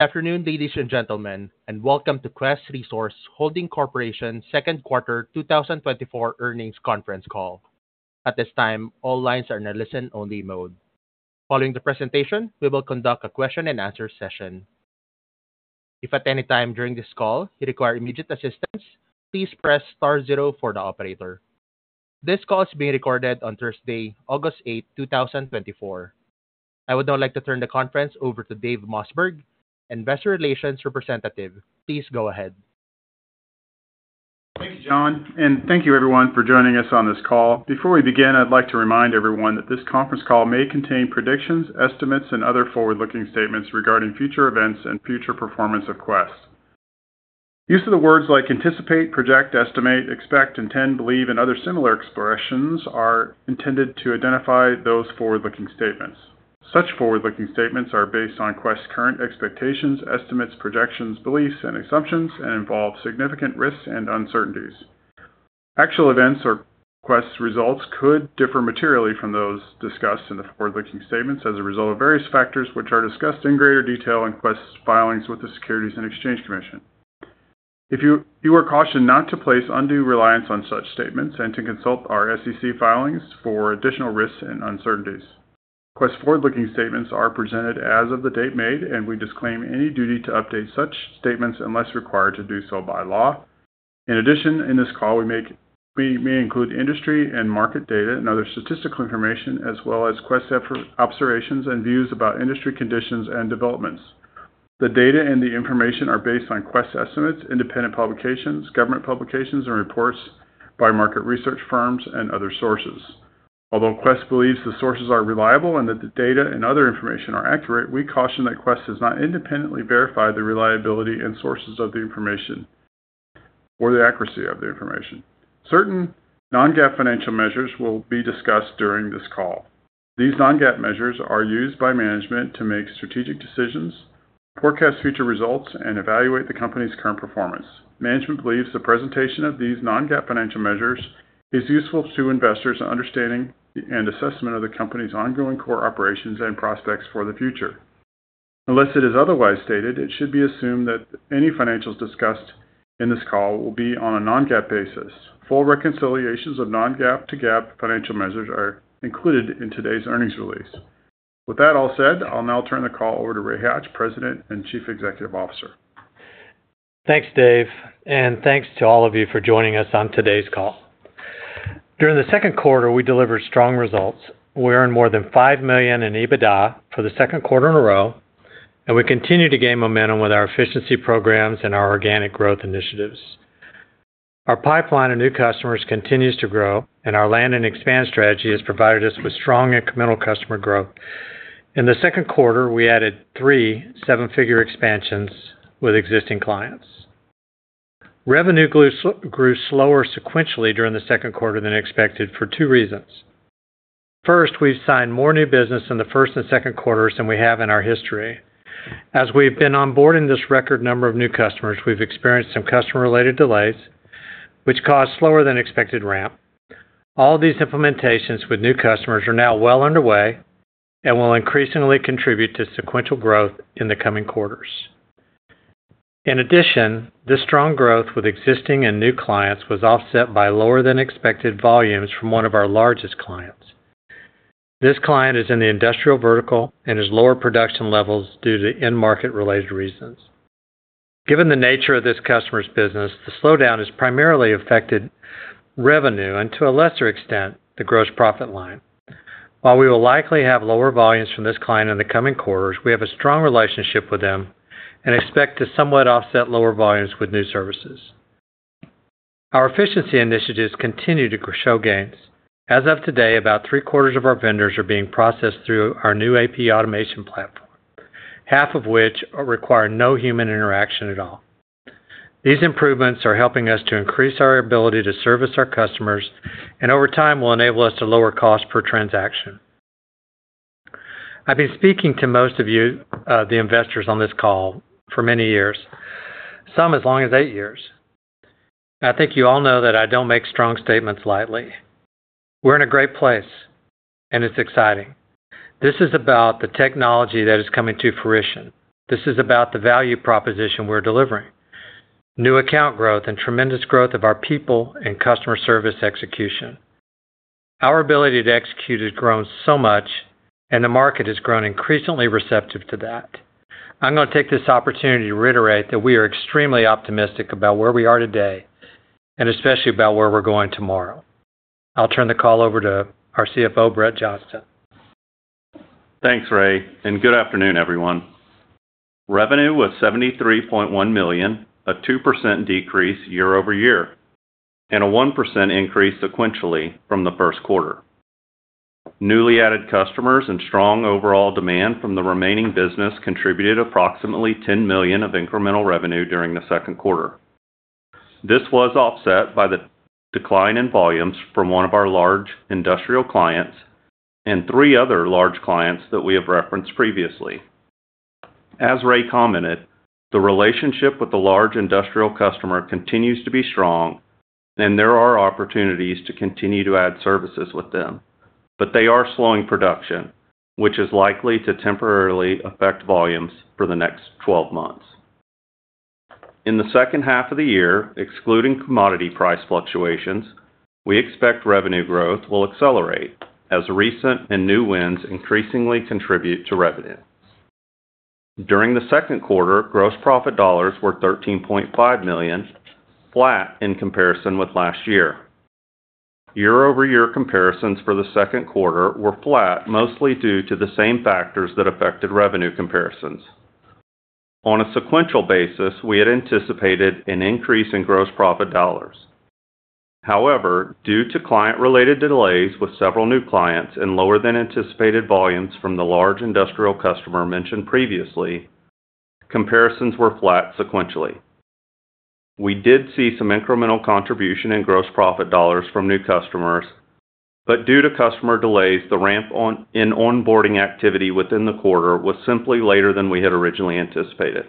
Afternoon, ladies and gentlemen, and welcome to Quest Resource Holding Corporation's second quarter 2024 earnings conference call. At this time, all lines are in a listen-only mode. Following the presentation, we will conduct a question-and-answer session. If at any time during this call you require immediate assistance, please press star zero for the operator. This call is being recorded on Thursday, August 8, 2024. I would now like to turn the conference over to Dave Mossberg, investor relations representative. Please go ahead. Thank you, John, and thank you everyone for joining us on this call. Before we begin, I'd like to remind everyone that this conference call may contain predictions, estimates, and other forward-looking statements regarding future events and future performance of Quest. Use of the words like anticipate, project, estimate, expect, intend, believe, and other similar expressions are intended to identify those forward-looking statements. Such forward-looking statements are based on Quest's current expectations, estimates, projections, beliefs, and assumptions, and involve significant risks and uncertainties. Actual events or Quest's results could differ materially from those discussed in the forward-looking statements as a result of various factors, which are discussed in greater detail in Quest's filings with the Securities and Exchange Commission. You are cautioned not to place undue reliance on such statements and to consult our SEC filings for additional risks and uncertainties. Quest's forward-looking statements are presented as of the date made, and we disclaim any duty to update such statements unless required to do so by law. In addition, in this call, we may include industry and market data and other statistical information, as well as Quest's own observations and views about industry conditions and developments. The data and the information are based on Quest estimates, independent publications, government publications, and reports by market research firms and other sources. Although Quest believes the sources are reliable and that the data and other information are accurate, we caution that Quest has not independently verified the reliability and sources of the information or the accuracy of the information. Certain non-GAAP financial measures will be discussed during this call. These non-GAAP measures are used by management to make strategic decisions, forecast future results, and evaluate the company's current performance. Management believes the presentation of these non-GAAP financial measures is useful to investors in understanding and assessment of the company's ongoing core operations and prospects for the future. Unless it is otherwise stated, it should be assumed that any financials discussed in this call will be on a non-GAAP basis. Full reconciliations of non-GAAP to GAAP financial measures are included in today's earnings release. With that all said, I'll now turn the call over to Ray Hatch, President and Chief Executive Officer. Thanks, Dave, and thanks to all of you for joining us on today's call. During the second quarter, we delivered strong results. We earned more than $5 million in EBITDA for the second quarter in a row, and we continue to gain momentum with our efficiency programs and our organic growth initiatives. Our pipeline of new customers continues to grow, and our land and expand strategy has provided us with strong incremental customer growth. In the second quarter, we added three seven-figure expansions with existing clients. Revenue grew slower sequentially during the second quarter than expected for two reasons. First, we've signed more new business in the first and second quarters than we have in our history. As we've been onboarding this record number of new customers, we've experienced some customer-related delays, which caused slower than expected ramp. All these implementations with new customers are now well underway and will increasingly contribute to sequential growth in the coming quarters. In addition, this strong growth with existing and new clients was offset by lower than expected volumes from one of our largest clients. This client is in the industrial vertical and has lower production levels due to end-market-related reasons. Given the nature of this customer's business, the slowdown has primarily affected revenue and, to a lesser extent, the gross profit line. While we will likely have lower volumes from this client in the coming quarters, we have a strong relationship with them and expect to somewhat offset lower volumes with new services. Our efficiency initiatives continue to show gains. As of today, about three-quarters of our vendors are being processed through our new AP Automation platform, half of which require no human interaction at all. These improvements are helping us to increase our ability to service our customers, and over time will enable us to lower cost per transaction. I've been speaking to most of you, the investors on this call for many years, some as long as eight years. I think you all know that I don't make strong statements lightly. We're in a great place, and it's exciting. This is about the technology that is coming to fruition. This is about the value proposition we're delivering, new account growth, and tremendous growth of our people and customer service execution. Our ability to execute has grown so much, and the market has grown increasingly receptive to that. I'm gonna take this opportunity to reiterate that we are extremely optimistic about where we are today and especially about where we're going tomorrow. I'll turn the call over to our CFO, Brett Johnston. Thanks, Ray, and good afternoon, everyone. Revenue was $73.1 million, a 2% decrease year-over-year, and a 1% increase sequentially from the first quarter. Newly added customers and strong overall demand from the remaining business contributed approximately $10 million of incremental revenue during the second quarter. This was offset by the decline in volumes from one of our large industrial clients and three other large clients that we have referenced previously. As Ray commented, the relationship with the large industrial customer continues to be strong, and there are opportunities to continue to add services with them... but they are slowing production, which is likely to temporarily affect volumes for the next 12 months. In the second half of the year, excluding commodity price fluctuations, we expect revenue growth will accelerate as recent and new wins increasingly contribute to revenue. During the second quarter, gross profit dollars were $13.5 million, flat in comparison with last year. Year-over-year comparisons for the second quarter were flat, mostly due to the same factors that affected revenue comparisons. On a sequential basis, we had anticipated an increase in gross profit dollars. However, due to client-related delays with several new clients and lower than anticipated volumes from the large industrial customer mentioned previously, comparisons were flat sequentially. We did see some incremental contribution in gross profit dollars from new customers, but due to customer delays, the ramp in onboarding activity within the quarter was simply later than we had originally anticipated.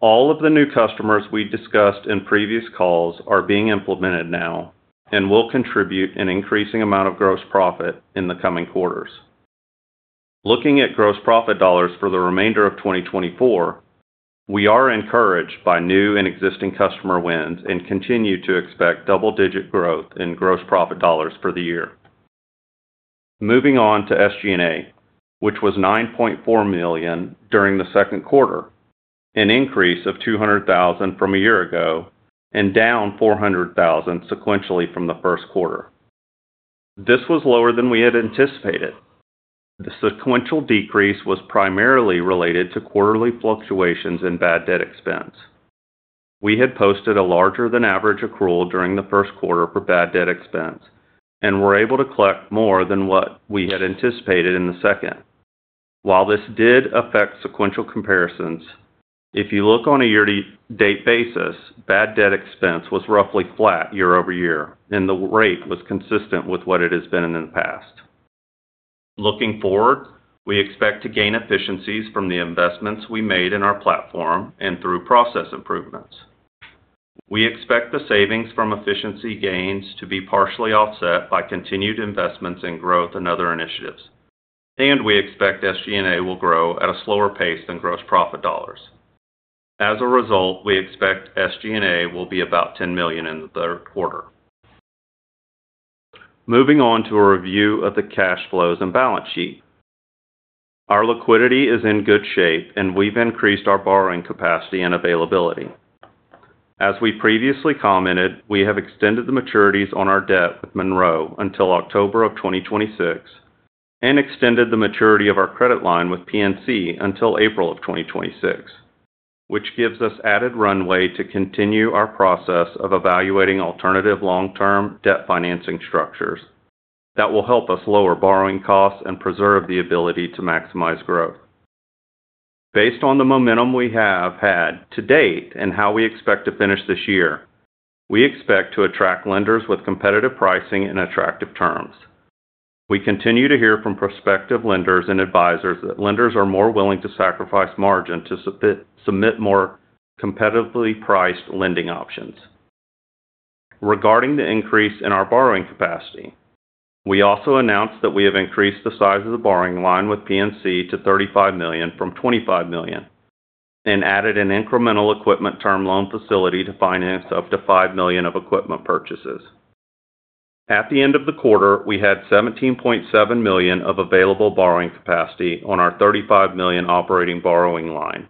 All of the new customers we discussed in previous calls are being implemented now, and will contribute an increasing amount of gross profit in the coming quarters. Looking at gross profit dollars for the remainder of 2024, we are encouraged by new and existing customer wins, and continue to expect double-digit growth in gross profit dollars for the year. Moving on to SG&A, which was $9.4 million during the second quarter, an increase of $200,000 from a year ago and down $400,000 sequentially from the first quarter. This was lower than we had anticipated. The sequential decrease was primarily related to quarterly fluctuations in bad debt expense. We had posted a larger than average accrual during the first quarter for bad debt expense, and were able to collect more than what we had anticipated in the second. While this did affect sequential comparisons, if you look on a year-to-date basis, bad debt expense was roughly flat year-over-year, and the rate was consistent with what it has been in the past. Looking forward, we expect to gain efficiencies from the investments we made in our platform and through process improvements. We expect the savings from efficiency gains to be partially offset by continued investments in growth and other initiatives, and we expect SG&A will grow at a slower pace than gross profit dollars. As a result, we expect SG&A will be about $10 million in the third quarter. Moving on to a review of the cash flows and balance sheet. Our liquidity is in good shape, and we've increased our borrowing capacity and availability. As we previously commented, we have extended the maturities on our debt with Monroe until October of 2026, and extended the maturity of our credit line with PNC until April of 2026, which gives us added runway to continue our process of evaluating alternative long-term debt financing structures that will help us lower borrowing costs and preserve the ability to maximize growth. Based on the momentum we have had to date and how we expect to finish this year, we expect to attract lenders with competitive pricing and attractive terms. We continue to hear from prospective lenders and advisors that lenders are more willing to sacrifice margin to submit, submit more competitively priced lending options. Regarding the increase in our borrowing capacity, we also announced that we have increased the size of the borrowing line with PNC to $35 million from $25 million, and added an incremental equipment term loan facility to finance up to $5 million of equipment purchases. At the end of the quarter, we had $17.7 million of available borrowing capacity on our $35 million operating borrowing line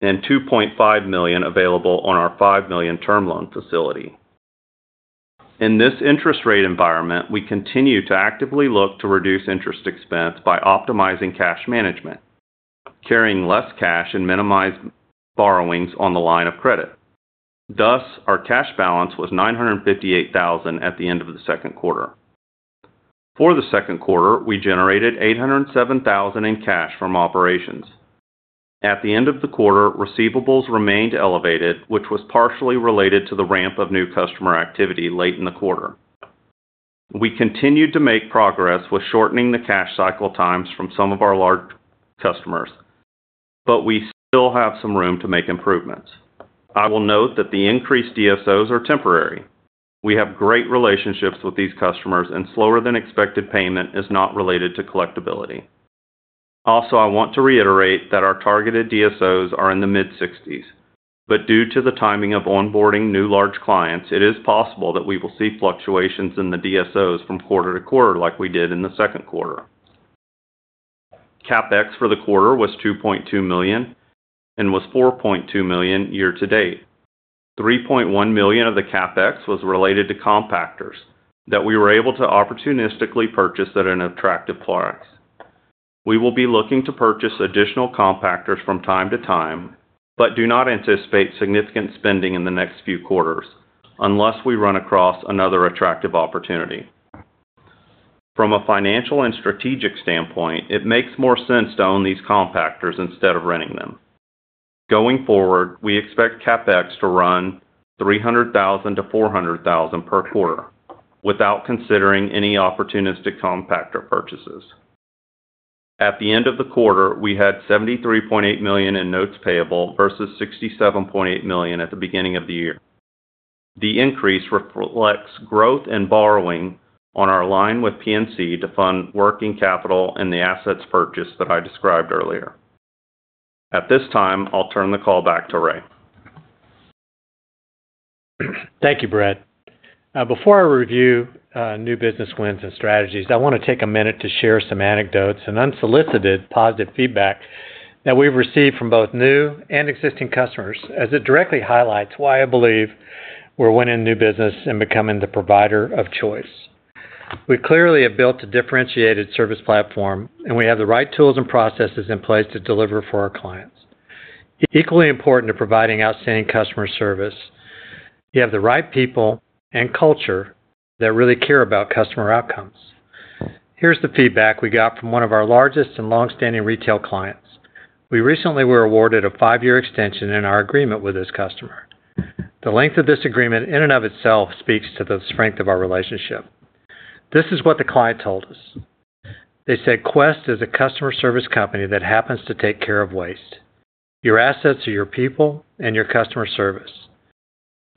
and $2.5 million available on our $5 million term loan facility. In this interest rate environment, we continue to actively look to reduce interest expense by optimizing cash management, carrying less cash, and minimize borrowings on the line of credit. Thus, our cash balance was $958,000 at the end of the second quarter. For the second quarter, we generated $807,000 in cash from operations. At the end of the quarter, receivables remained elevated, which was partially related to the ramp of new customer activity late in the quarter. We continued to make progress with shortening the cash cycle times from some of our large customers, but we still have some room to make improvements. I will note that the increased DSOs are temporary. We have great relationships with these customers, and slower than expected payment is not related to collectability. Also, I want to reiterate that our targeted DSOs are in the mid-sixties, but due to the timing of onboarding new large clients, it is possible that we will see fluctuations in the DSOs from quarter to quarter, like we did in the second quarter. CapEx for the quarter was $2.2 million and was $4.2 million year to date. $3.1 million of the CapEx was related to compactors that we were able to opportunistically purchase at an attractive price. We will be looking to purchase additional compactors from time to time, but do not anticipate significant spending in the next few quarters unless we run across another attractive opportunity. From a financial and strategic standpoint, it makes more sense to own these compactors instead of renting them. Going forward, we expect CapEx to run $300,000-$400,000 per quarter without considering any opportunistic compactor purchases. At the end of the quarter, we had $73.8 million in notes payable versus $67.8 million at the beginning of the year. The increase reflects growth and borrowing on our line with PNC to fund working capital and the assets purchase that I described earlier. At this time, I'll turn the call back to Ray. Thank you, Brett. Now, before I review new business wins and strategies, I want to take a minute to share some anecdotes and unsolicited positive feedback that we've received from both new and existing customers, as it directly highlights why I believe we're winning new business and becoming the provider of choice. We clearly have built a differentiated service platform, and we have the right tools and processes in place to deliver for our clients. Equally important to providing outstanding customer service, you have the right people and culture that really care about customer outcomes. Here's the feedback we got from one of our largest and long-standing retail clients. We recently were awarded a five-year extension in our agreement with this customer. The length of this agreement, in and of itself, speaks to the strength of our relationship. This is what the client told us. They said, "Quest is a customer service company that happens to take care of waste. Your assets are your people and your customer service.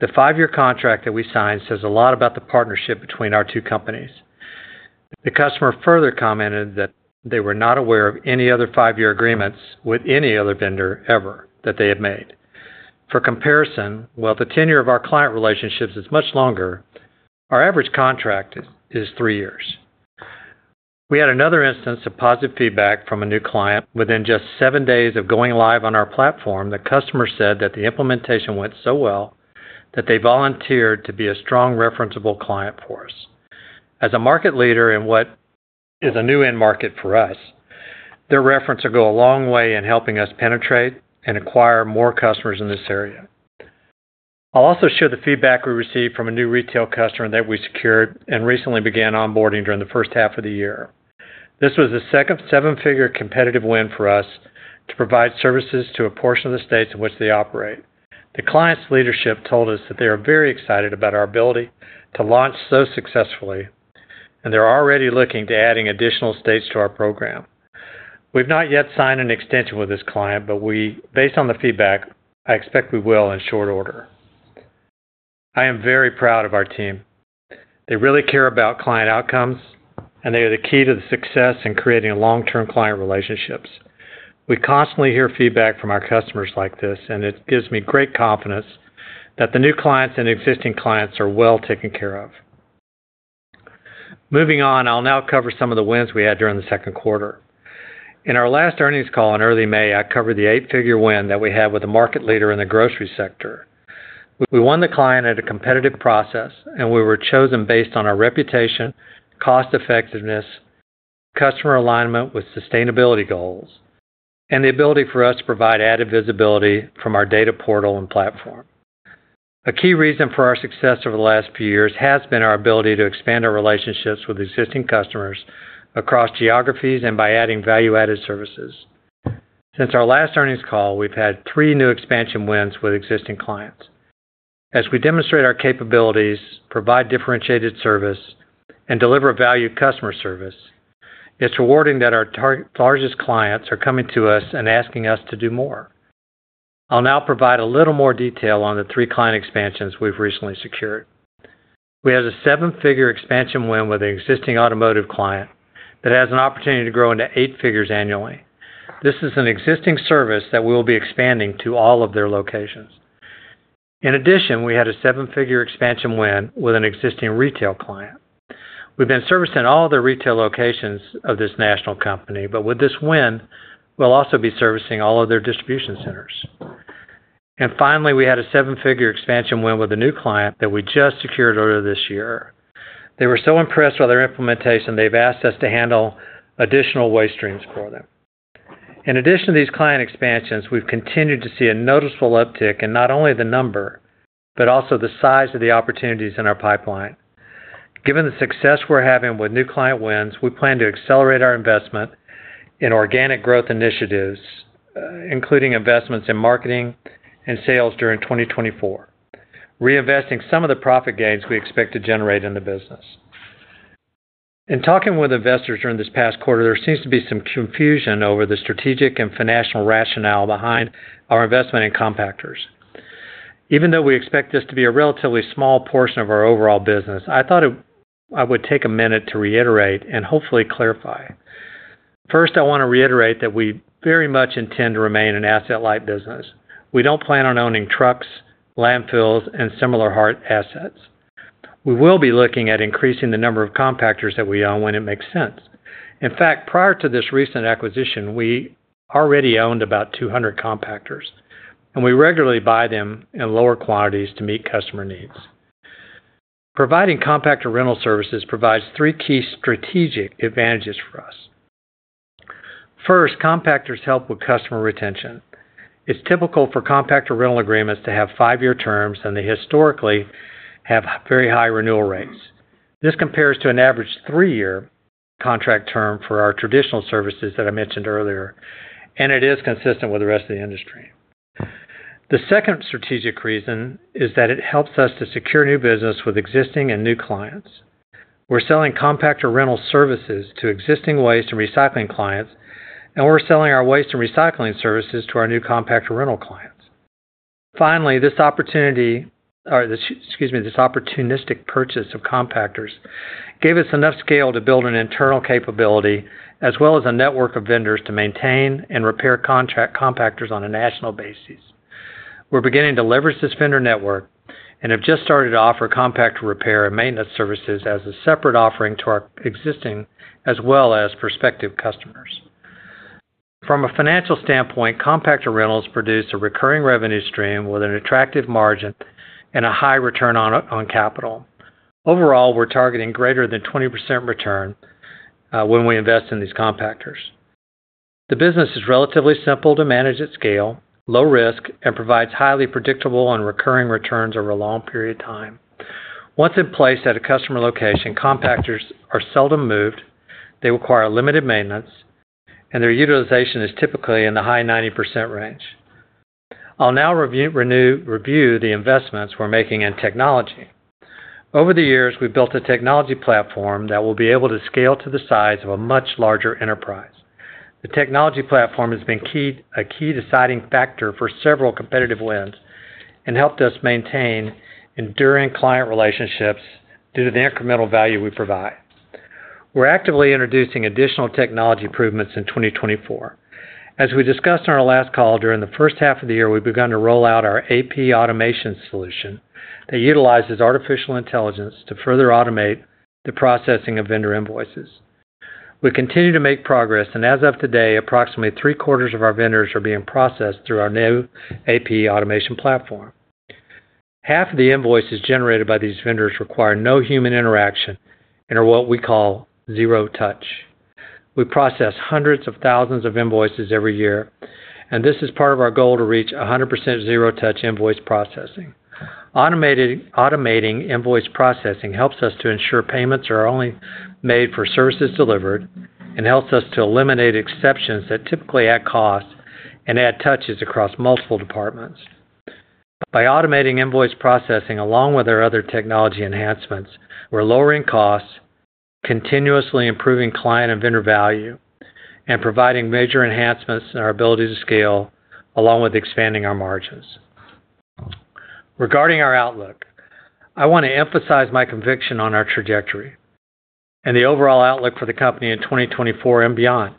The 5-year contract that we signed says a lot about the partnership between our two companies." The customer further commented that they were not aware of any other 5-year agreements with any other vendor, ever, that they had made. For comparison, while the tenure of our client relationships is much longer, our average contract is 3 years. We had another instance of positive feedback from a new client. Within just 7 days of going live on our platform, the customer said that the implementation went so well that they volunteered to be a strong referenceable client for us. As a market leader in what is a new end market for us, their reference will go a long way in helping us penetrate and acquire more customers in this area. I'll also share the feedback we received from a new retail customer that we secured and recently began onboarding during the first half of the year. This was the second seven-figure competitive win for us to provide services to a portion of the states in which they operate. The client's leadership told us that they are very excited about our ability to launch so successfully, and they're already looking to adding additional states to our program. We've not yet signed an extension with this client, but we based on the feedback, I expect we will in short order. I am very proud of our team. They really care about client outcomes, and they are the key to the success in creating long-term client relationships. We constantly hear feedback from our customers like this, and it gives me great confidence that the new clients and existing clients are well taken care of. Moving on, I'll now cover some of the wins we had during the second quarter. In our last earnings call in early May, I covered the 8-figure win that we had with a market leader in the grocery sector. We won the client at a competitive process, and we were chosen based on our reputation, cost effectiveness, customer alignment with sustainability goals, and the ability for us to provide added visibility from our data portal and platform. A key reason for our success over the last few years has been our ability to expand our relationships with existing customers across geographies and by adding value-added services. Since our last earnings call, we've had three new expansion wins with existing clients. As we demonstrate our capabilities, provide differentiated service, and deliver value customer service, it's rewarding that our top largest clients are coming to us and asking us to do more. I'll now provide a little more detail on the three client expansions we've recently secured. We had a seven-figure expansion win with an existing automotive client that has an opportunity to grow into eight figures annually. This is an existing service that we will be expanding to all of their locations. In addition, we had a seven-figure expansion win with an existing retail client. We've been servicing all the retail locations of this national company, but with this win, we'll also be servicing all of their distribution centers. And finally, we had a seven-figure expansion win with a new client that we just secured earlier this year. They were so impressed with our implementation, they've asked us to handle additional waste streams for them. In addition to these client expansions, we've continued to see a noticeable uptick in not only the number, but also the size of the opportunities in our pipeline. Given the success we're having with new client wins, we plan to accelerate our investment in organic growth initiatives, including investments in marketing and sales during 2024, reinvesting some of the profit gains we expect to generate in the business. In talking with investors during this past quarter, there seems to be some confusion over the strategic and financial rationale behind our investment in compactors. Even though we expect this to be a relatively small portion of our overall business, I thought I would take a minute to reiterate and hopefully clarify. First, I want to reiterate that we very much intend to remain an asset-light business. We don't plan on owning trucks, landfills, and similar hard assets. We will be looking at increasing the number of compactors that we own when it makes sense. In fact, prior to this recent acquisition, we already owned about 200 compactors, and we regularly buy them in lower quantities to meet customer needs. Providing compactor rental services provides three key strategic advantages for us. First, compactors help with customer retention. It's typical for compactor rental agreements to have 5-year terms, and they historically have very high renewal rates. This compares to an average 3-year contract term for our traditional services that I mentioned earlier, and it is consistent with the rest of the industry.... The second strategic reason is that it helps us to secure new business with existing and new clients. We're selling compactor rental services to existing waste and recycling clients, and we're selling our waste and recycling services to our new compactor rental clients. Finally, this opportunity, or excuse me, this opportunistic purchase of compactors gave us enough scale to build an internal capability, as well as a network of vendors to maintain and repair contract compactors on a national basis. We're beginning to leverage this vendor network and have just started to offer compactor repair and maintenance services as a separate offering to our existing, as well as prospective customers. From a financial standpoint, compactor rentals produce a recurring revenue stream with an attractive margin and a high return on capital. Overall, we're targeting greater than 20% return when we invest in these compactors. The business is relatively simple to manage at scale, low risk, and provides highly predictable and recurring returns over a long period of time. Once in place at a customer location, compactors are seldom moved, they require limited maintenance, and their utilization is typically in the high 90% range. I'll now review the investments we're making in technology. Over the years, we've built a technology platform that will be able to scale to the size of a much larger enterprise. The technology platform has been key, a key deciding factor for several competitive wins and helped us maintain enduring client relationships due to the incremental value we provide. We're actively introducing additional technology improvements in 2024. As we discussed on our last call, during the first half of the year, we've begun to roll out our AP Automation solution that utilizes artificial intelligence to further automate the processing of vendor invoices. We continue to make progress, and as of today, approximately three-quarters of our vendors are being processed through our new AP Automation platform. Half of the invoices generated by these vendors require no human interaction and are what we call Zero Touch. We process hundreds of thousands of invoices every year, and this is part of our goal to reach 100% zero touch invoice processing. Automating invoice processing helps us to ensure payments are only made for services delivered and helps us to eliminate exceptions that typically add cost and add touches across multiple departments. By automating invoice processing, along with our other technology enhancements, we're lowering costs, continuously improving client and vendor value, and providing major enhancements in our ability to scale, along with expanding our margins. Regarding our outlook, I want to emphasize my conviction on our trajectory and the overall outlook for the company in 2024 and beyond.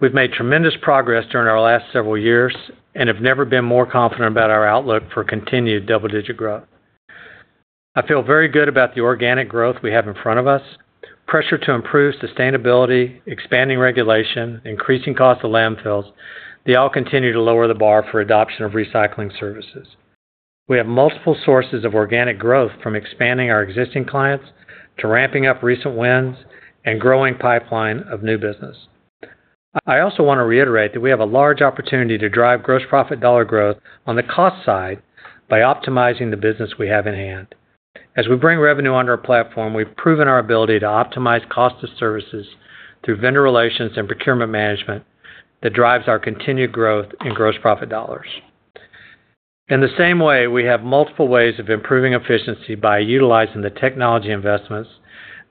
We've made tremendous progress during our last several years and have never been more confident about our outlook for continued double-digit growth. I feel very good about the organic growth we have in front of us. Pressure to improve sustainability, expanding regulation, increasing cost of landfills, they all continue to lower the bar for adoption of recycling services. We have multiple sources of organic growth, from expanding our existing clients to ramping up recent wins and growing pipeline of new business. I also want to reiterate that we have a large opportunity to drive gross profit dollar growth on the cost side by optimizing the business we have in hand. As we bring revenue under our platform, we've proven our ability to optimize cost of services through vendor relations and procurement management that drives our continued growth in gross profit dollars. In the same way, we have multiple ways of improving efficiency by utilizing the technology investments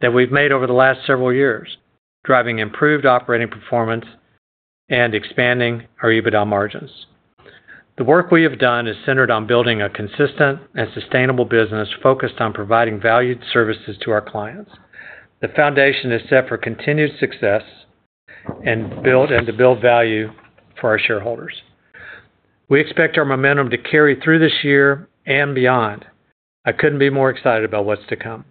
that we've made over the last several years, driving improved operating performance and expanding our EBITDA margins. The work we have done is centered on building a consistent and sustainable business focused on providing valued services to our clients. The foundation is set for continued success and build, and to build value for our shareholders. We expect our momentum to carry through this year and beyond. I couldn't be more excited about what's to come.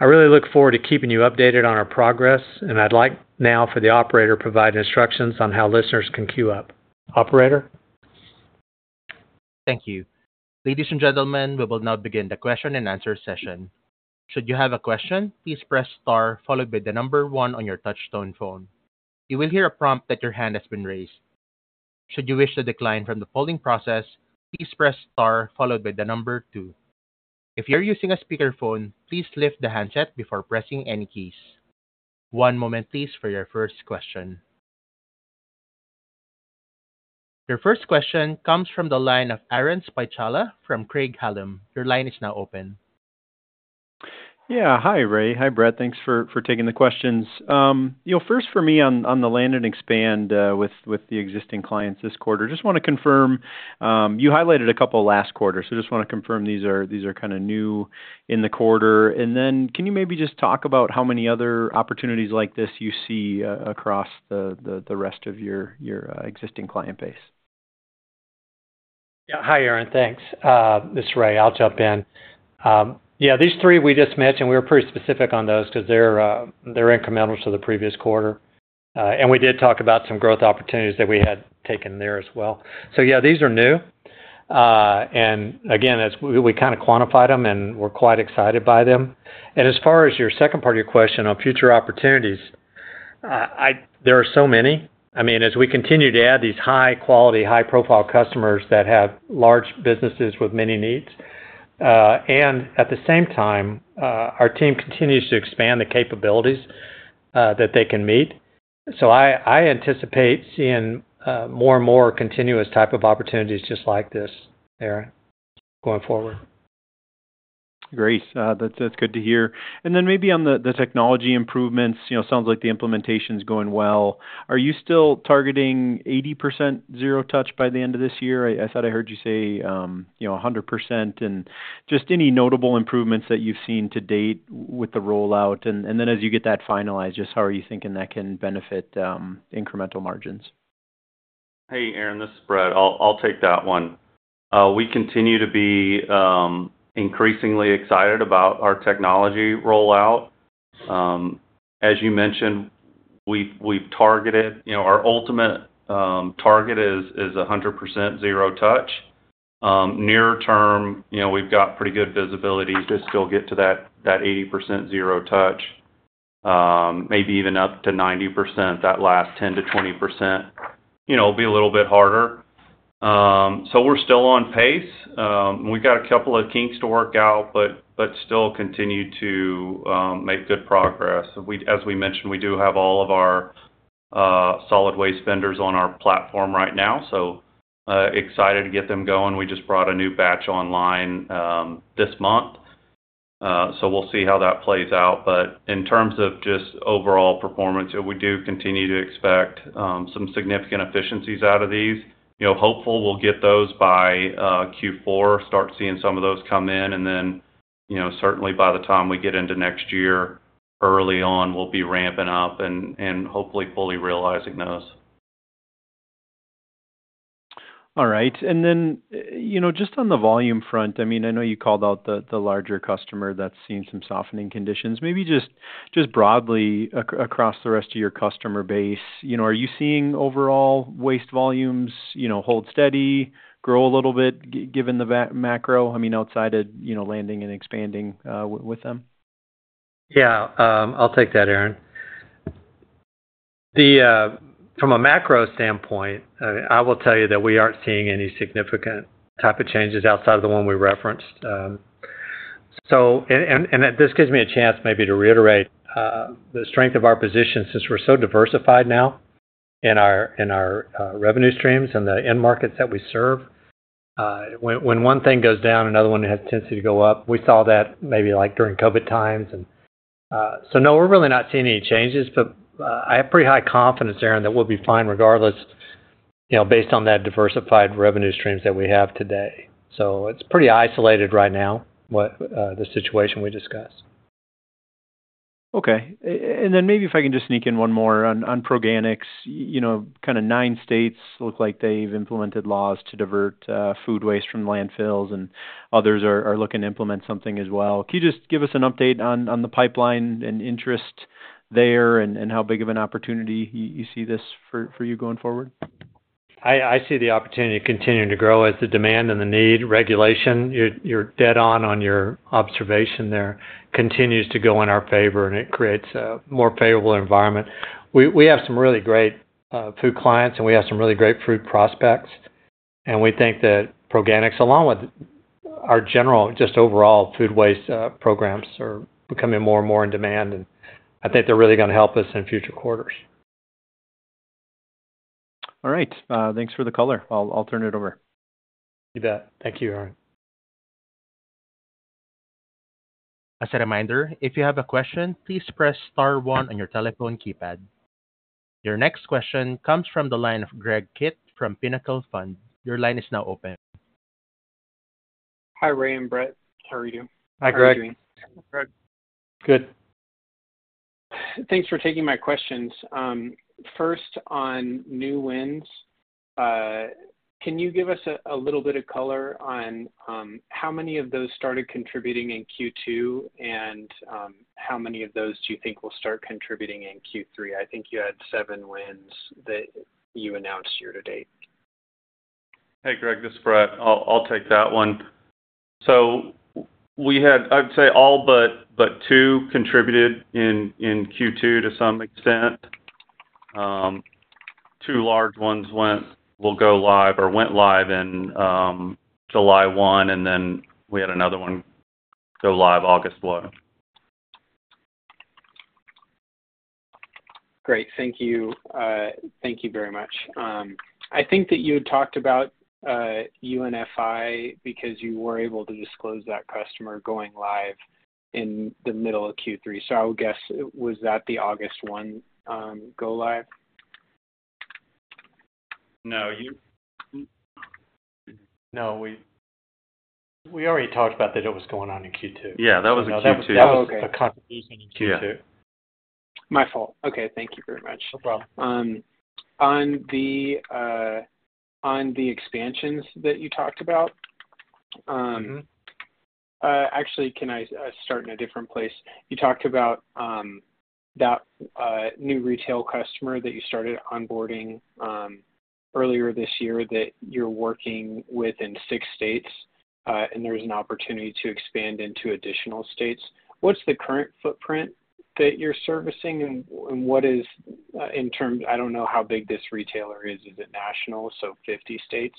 I really look forward to keeping you updated on our progress, and I'd like now for the operator to provide instructions on how listeners can queue up. Operator? Thank you. Ladies and gentlemen, we will now begin the question-and-answer session. Should you have a question, please press star followed by the number one on your touchtone phone. You will hear a prompt that your hand has been raised. Should you wish to decline from the polling process, please press star followed by the number two. If you're using a speakerphone, please lift the handset before pressing any keys. One moment, please, for your first question. Your first question comes from the line of Aaron Spychalla from Craig-Hallum. Your line is now open. Yeah. Hi, Ray. Hi, Brett. Thanks for taking the questions. You know, first for me on the land and expand with the existing clients this quarter, just want to confirm you highlighted a couple last quarter, so just want to confirm these are, these are kind of new in the quarter. And then can you maybe just talk about how many other opportunities like this you see across the rest of your existing client base? Yeah. Hi, Aaron. Thanks. This is Ray. I'll jump in. Yeah, these three we just mentioned, we were pretty specific on those because they're, they're incremental to the previous quarter. And we did talk about some growth opportunities that we had taken there as well. So yeah, these are new. And again, as we kind of quantified them, and we're quite excited by them. And as far as your second part of your question on future opportunities, I-- there are so many. I mean, as we continue to add these high-quality, high-profile customers that have large businesses with many needs-... and at the same time, our team continues to expand the capabilities, that they can meet. So I, I anticipate seeing, more and more continuous type of opportunities just like this, Aaron, going forward. Great. That's, that's good to hear. And then maybe on the technology improvements, you know, sounds like the implementation's going well. Are you still targeting 80% zero touch by the end of this year? I thought I heard you say, you know, 100%. And just any notable improvements that you've seen to date with the rollout, and then as you get that finalized, just how are you thinking that can benefit incremental margins? Hey, Aaron, this is Brett. I'll, I'll take that one. We continue to be increasingly excited about our technology rollout. As you mentioned, we've, we've targeted... You know, our ultimate target is 100% zero touch. Near term, you know, we've got pretty good visibility to still get to that 80% zero touch, maybe even up to 90%. That last 10%-20%, you know, will be a little bit harder. So we're still on pace. We've got a couple of kinks to work out, but, but still continue to make good progress. As we mentioned, we do have all of our solid waste vendors on our platform right now, so excited to get them going. We just brought a new batch online, this month, so we'll see how that plays out. But in terms of just overall performance, we do continue to expect some significant efficiencies out of these. You know, hopeful we'll get those by Q4, start seeing some of those come in, and then, you know, certainly by the time we get into next year, early on, we'll be ramping up and hopefully fully realizing those. All right. And then, you know, just on the volume front, I mean, I know you called out the, the larger customer that's seen some softening conditions. Maybe just, just broadly across the rest of your customer base, you know, are you seeing overall waste volumes, you know, hold steady, grow a little bit, given the macro? I mean, outside of, you know, landing and expanding with them. Yeah, I'll take that, Aaron. From a macro standpoint, I will tell you that we aren't seeing any significant type of changes outside of the one we referenced. So this gives me a chance maybe to reiterate the strength of our position, since we're so diversified now in our revenue streams and the end markets that we serve. When one thing goes down, another one has tendency to go up. We saw that maybe, like, during COVID times. And so no, we're really not seeing any changes, but I have pretty high confidence, Aaron, that we'll be fine regardless, you know, based on that diversified revenue streams that we have today. So it's pretty isolated right now, what the situation we discussed. Okay. And then maybe if I can just sneak in one more on Proganics. You know, kind of nine states look like they've implemented laws to divert food waste from landfills, and others are looking to implement something as well. Can you just give us an update on the pipeline and interest there, and how big of an opportunity you see this for you going forward? I see the opportunity continuing to grow as the demand and the need regulation, you're dead on, on your observation there, continues to go in our favor, and it creates a more favorable environment. We have some really great food clients, and we have some really great food prospects, and we think that Proganics, along with our general, just overall food waste programs, are becoming more and more in demand, and I think they're really gonna help us in future quarters. All right, thanks for the color. I'll turn it over. You bet. Thank you, Aaron. As a reminder, if you have a question, please press star one on your telephone keypad. Your next question comes from the line of Greg Kitt from Pinnacle Fund. Your line is now open. Hi, Ray and Brett. How are you? Hi, Greg. How are you doing? Good. Good. Thanks for taking my questions. First, on new wins, can you give us a little bit of color on how many of those started contributing in Q2, and how many of those do you think will start contributing in Q3? I think you had seven wins that you announced year to date. Hey, Greg, this is Brett. I'll take that one. So we had, I'd say all but two contributed in Q2 to some extent. Two large ones went, will go live or went live in July one, and then we had another one go live August one. Great. Thank you. Thank you very much. I think that you had talked about UNFI because you were able to disclose that customer going live in the middle of Q3. So I would guess, was that the August one, go live? No. You- No, we already talked about that it was going on in Q2. Yeah, that was in Q2. That was a contribution in Q2. Yeah. My fault. Okay, thank you very much. No problem. On the expansions that you talked about. Mm-hmm. Actually, can I start in a different place? You talked about that new retail customer that you started onboarding earlier this year, that you're working with in six states, and there is an opportunity to expand into additional states. What's the current footprint?... that you're servicing, and what is, in terms, I don't know how big this retailer is. Is it national, so 50 states?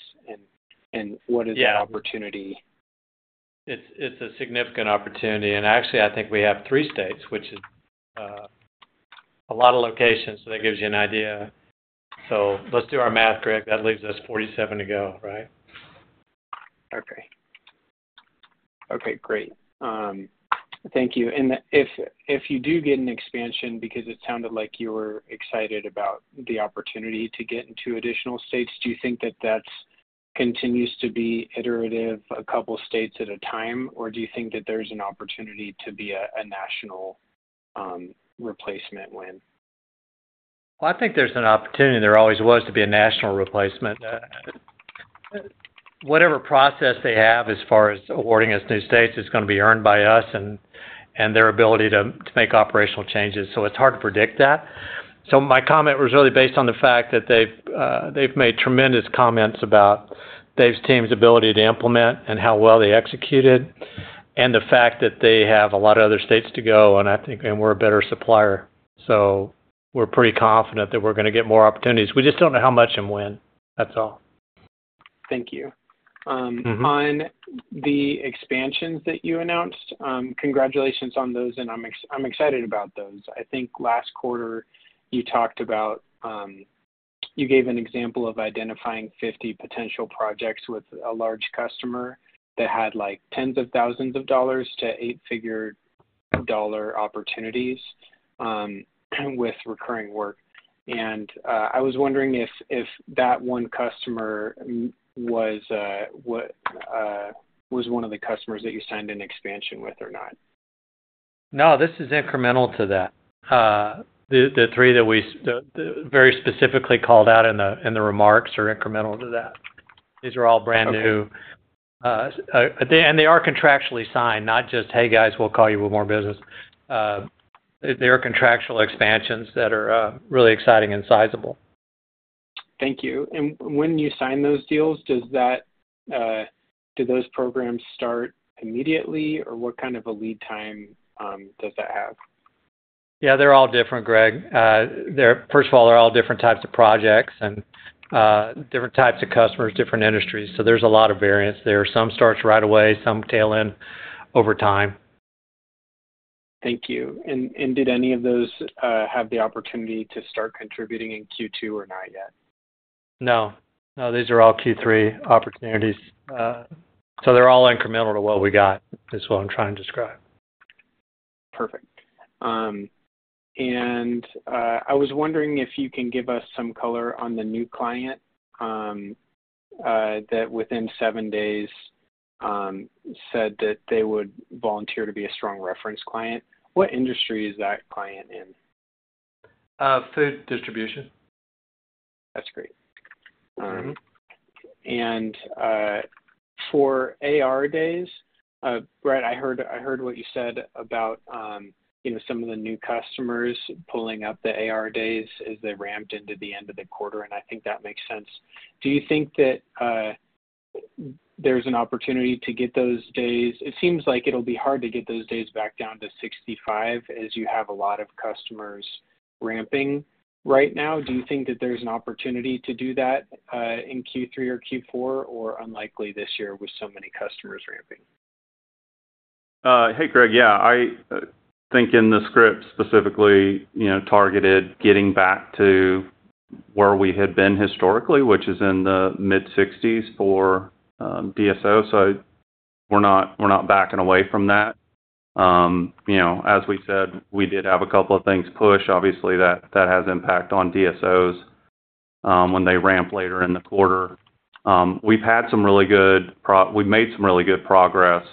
And what is- Yeah -the opportunity? It's a significant opportunity, and actually, I think we have 3 states, which is a lot of locations. So that gives you an idea. So let's do our math, Greg. That leaves us 47 to go, right? Okay. Okay, great. Thank you. And if, if you do get an expansion, because it sounded like you were excited about the opportunity to get into additional states, do you think that that's continues to be iterative a couple states at a time, or do you think that there's an opportunity to be a, a national, replacement win? Well, I think there's an opportunity, there always was, to be a national replacement. Whatever process they have as far as awarding us new states is gonna be earned by us and their ability to make operational changes, so it's hard to predict that. So my comment was really based on the fact that they've made tremendous comments about Dave's team's ability to implement and how well they executed, and the fact that they have a lot of other states to go, and I think, and we're a better supplier. So we're pretty confident that we're gonna get more opportunities. We just don't know how much and when, that's all. Thank you. Mm-hmm. On the expansions that you announced, congratulations on those, and I'm excited about those. I think last quarter, you talked about, you gave an example of identifying 50 potential projects with a large customer that had like tens of thousands of dollars to 8-figure dollar opportunities, with recurring work. I was wondering if that one customer was one of the customers that you signed an expansion with or not? No, this is incremental to that. The three that we very specifically called out in the remarks are incremental to that. These are all brand new. Okay. and they are contractually signed, not just, "Hey, guys, we'll call you with more business." They are contractual expansions that are really exciting and sizable. Thank you. And when you sign those deals, do those programs start immediately, or what kind of a lead time does that have? Yeah, they're all different, Greg. They're first of all, they're all different types of projects and different types of customers, different industries, so there's a lot of variance there. Some start right away, some tail in over time. Thank you. And did any of those have the opportunity to start contributing in Q2 or not yet? No. No, these are all Q3 opportunities. So they're all incremental to what we got, is what I'm trying to describe. Perfect. And I was wondering if you can give us some color on the new client that within seven days said that they would volunteer to be a strong reference client. What industry is that client in? Food distribution. That's great. Mm-hmm. And, for AR days, Brett, I heard, I heard what you said about, you know, some of the new customers pulling up the AR days as they ramped into the end of the quarter, and I think that makes sense. Do you think that, there's an opportunity to get those days. It seems like it'll be hard to get those days back down to 65, as you have a lot of customers ramping right now. Do you think that there's an opportunity to do that, in Q3 or Q4, or unlikely this year with so many customers ramping? Hey, Greg. Yeah, I think in the script specifically, you know, targeted getting back to where we had been historically, which is in the mid-60s for DSO. So we're not, we're not backing away from that. You know, as we said, we did have a couple of things push. Obviously, that has impact on DSOs when they ramp later in the quarter. We've made some really good progress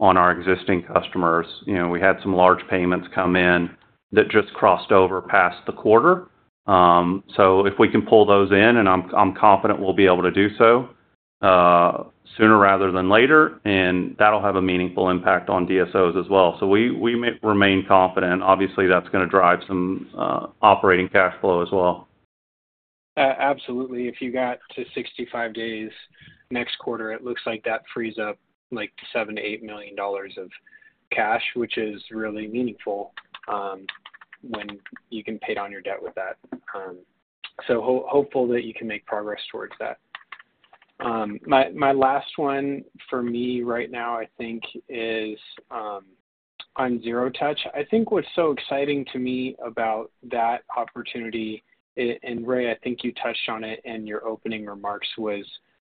on our existing customers. You know, we had some large payments come in that just crossed over past the quarter. So if we can pull those in, and I'm confident we'll be able to do so sooner rather than later, and that'll have a meaningful impact on DSOs as well. So we remain confident. Obviously, that's gonna drive some operating cash flow as well. Absolutely. If you got to 65 days next quarter, it looks like that frees up, like, $7 million-$8 million of cash, which is really meaningful, when you can pay down your debt with that. So hopeful that you can make progress towards that. My last one for me right now, I think, is on zero touch. I think what's so exciting to me about that opportunity, and Ray, I think you touched on it in your opening remarks, was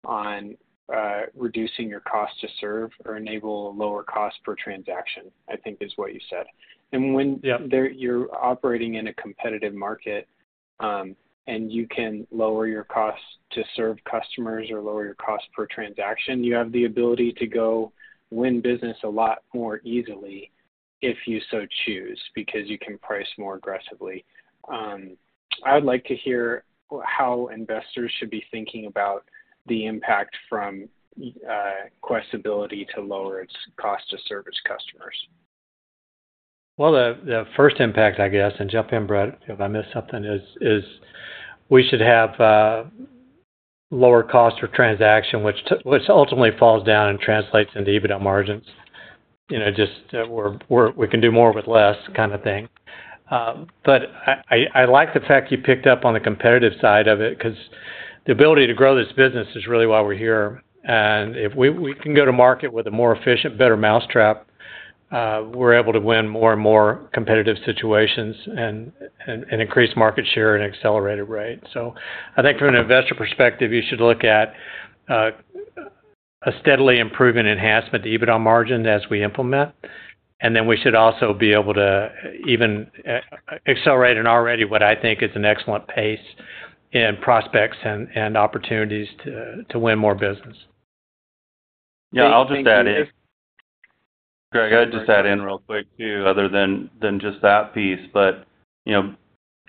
on reducing your cost to serve or enable a lower cost per transaction, I think is what you said. Yep. And when you're operating in a competitive market, and you can lower your costs to serve customers or lower your cost per transaction, you have the ability to go win business a lot more easily if you so choose, because you can price more aggressively. I'd like to hear how investors should be thinking about the impact from Quest's ability to lower its cost to service customers. Well, the first impact, I guess, and jump in, Brett, if I missed something, we should have lower cost per transaction, which ultimately falls down and translates into EBITDA margins. You know, just, we can do more with less kind of thing. But I like the fact you picked up on the competitive side of it, 'cause the ability to grow this business is really why we're here. And if we can go to market with a more efficient, better mousetrap, we're able to win more and more competitive situations and increase market share at an accelerated rate. So I think from an investor perspective, you should look at a steadily improving enhancement to EBITDA margin as we implement, and then we should also be able to even accelerate in already what I think is an excellent pace in prospects and opportunities to win more business. Yeah, I'll just add in. Greg, I'll just add in real quick, too, other than, than just that piece. But, you know,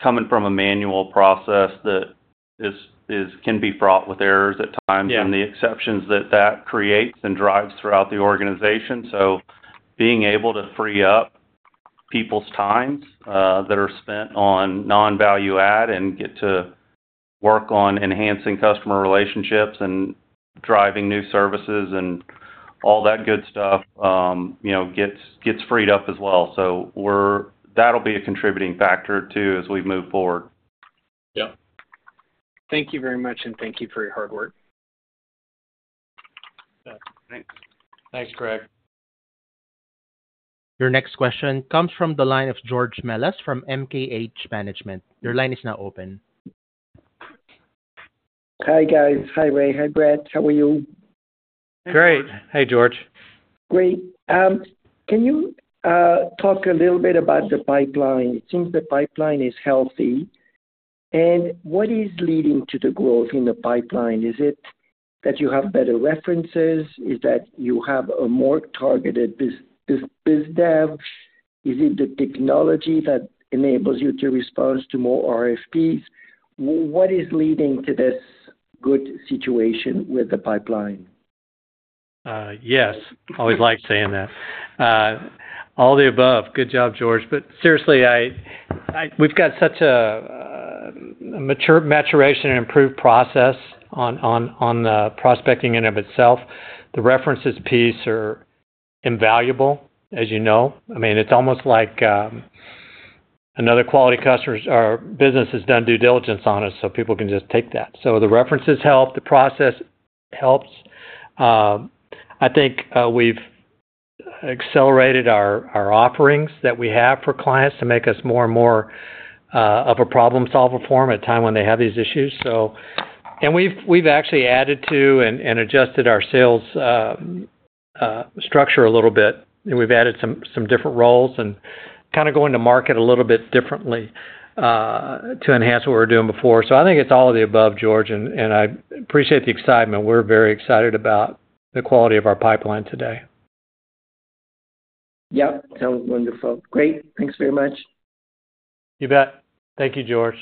coming from a manual process that is, is-- can be fraught with errors at times- Yeah And the exceptions that that creates and drives throughout the organization. So being able to free up people's times that are spent on non-value add and get to work on enhancing customer relationships and driving new services and all that good stuff, you know, gets freed up as well. So we're, that'll be a contributing factor, too, as we move forward. Yep. Thank you very much, and thank you for your hard work. Yeah. Thanks. Thanks, Greg. Your next question comes from the line of George Melas from MKH Management. Your line is now open. Hi, guys. Hi, Ray. Hi, Brett. How are you? Great. Hey, George. Great. Can you talk a little bit about the pipeline? It seems the pipeline is healthy. What is leading to the growth in the pipeline? Is it that you have better references? Is that you have a more targeted biz dev? Is it the technology that enables you to respond to more RFPs? What is leading to this good situation with the pipeline? Yes. Always like saying that. All the above. Good job, George. But seriously, we've got a mature maturation and improved process on the prospecting in of itself. The references piece are invaluable, as you know. I mean, it's almost like another quality customers or business has done due diligence on us, so people can just take that. So the references help, the process helps. I think we've accelerated our offerings that we have for clients to make us more and more of a problem-solver form at a time when they have these issues. And we've actually added to and adjusted our sales structure a little bit, and we've added some different roles and kinda going to market a little bit differently to enhance what we were doing before. So I think it's all of the above, George, and, and I appreciate the excitement. We're very excited about the quality of our pipeline today. Yep, sounds wonderful. Great. Thanks very much. You bet. Thank you, George.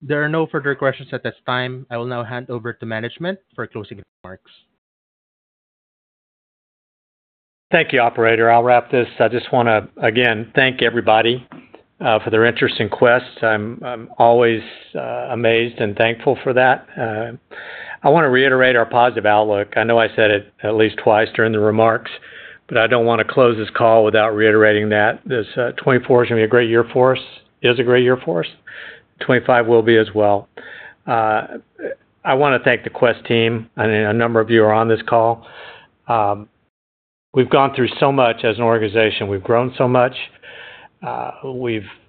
There are no further questions at this time. I will now hand over to management for closing remarks. Thank you, operator. I'll wrap this. I just wanna, again, thank everybody for their interest in Quest. I'm always amazed and thankful for that. I wanna reiterate our positive outlook. I know I said it at least twice during the remarks, but I don't wanna close this call without reiterating that. This 2024 is gonna be a great year for us, it is a great year for us. 2025 will be as well. I wanna thank the Quest team, and a number of you are on this call. We've gone through so much as an organization. We've grown so much.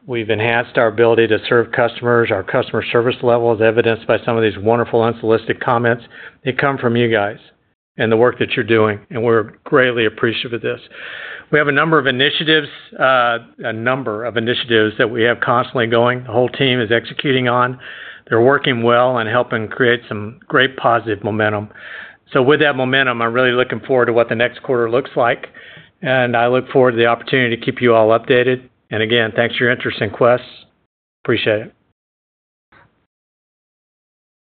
We've enhanced our ability to serve customers. Our customer service level is evidenced by some of these wonderful unsolicited comments. They come from you guys and the work that you're doing, and we're greatly appreciative of this. We have a number of initiatives, a number of initiatives that we have constantly going, the whole team is executing on. They're working well and helping create some great positive momentum. So with that momentum, I'm really looking forward to what the next quarter looks like, and I look forward to the opportunity to keep you all updated. And again, thanks for your interest in Quest. Appreciate it.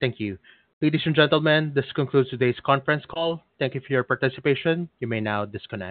Thank you. Ladies and gentlemen, this concludes today's conference call. Thank you for your participation. You may now disconnect.